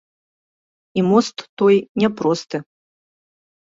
І мост той не просты.